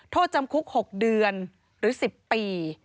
โทษจำคุก๖เดือนหรือ๑๐ปี